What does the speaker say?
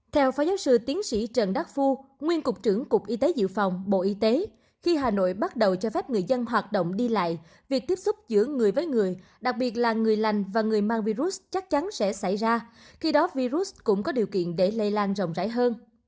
theo phó giáo sư tiến sĩ trần đắc phu nguyên cục trưởng cục y tế dự phòng bộ y tế khi hà nội bắt đầu cho phép người dân hoạt động đi lại việc tiếp xúc giữa người với người đặc biệt là người lành và người mang virus chắc chắn sẽ xảy ra khi đó virus cũng có điều kiện để lây lan rộng rãi hơn